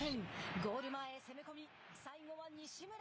ゴール前へ攻め込み最後は西村。